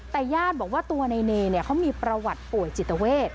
แต่ย่านบอกว่าในเนรเนี่ยเขามีประหวัดป่วยจิตเวท